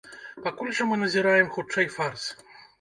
Пакуль жа мы назіраем хутчэй фарс.